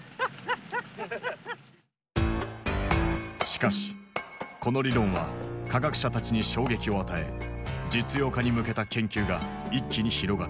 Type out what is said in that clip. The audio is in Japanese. しかしこの理論は科学者たちに衝撃を与え実用化に向けた研究が一気に広がっていく。